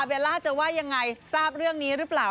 เวลาจะว่ายังไงทราบเรื่องนี้หรือเปล่า